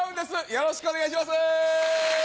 よろしくお願いします！